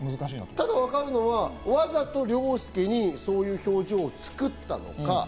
ただ分かるのは、わざと凌介にそういう表情を作ったのか？